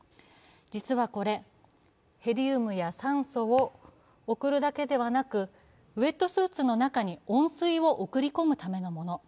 実はこれ、ヘリウムや酸素を送るだけではなくウエットスーツの中に温水を送り込むためのもの。